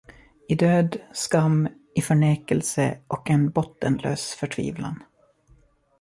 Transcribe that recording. I död, i skam, i förnekelse och en bottenlös förtvivlan.